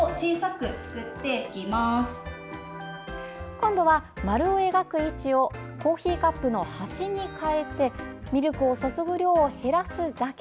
今度は、丸を描く位置をコーヒーカップの端に変えてミルクを注ぐ量を減らすだけ。